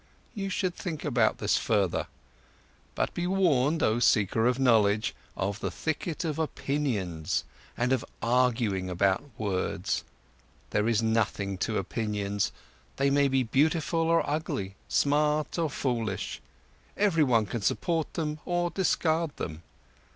You should think about this further. But be warned, oh seeker of knowledge, of the thicket of opinions and of arguing about words. There is nothing to opinions, they may be beautiful or ugly, smart or foolish, everyone can support them or discard them.